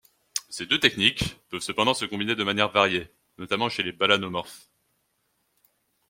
Ces deux techniques peuvent cependant se combiner de manière variée, notamment chez les balanomorphes.